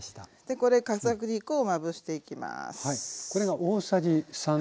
これ片栗粉をまぶしていきます。